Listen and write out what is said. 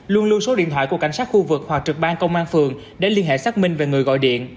luôn lưu số điện thoại của cảnh sát khu vực hoặc trực ban công an phường để liên hệ xác minh về người gọi điện